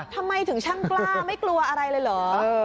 ทำไมถึงช่างกล้าไม่กลัวอะไรเลยเหรอ